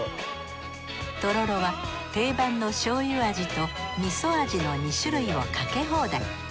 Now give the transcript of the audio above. とろろは定番のしょうゆ味とみそ味の２種類をかけ放題。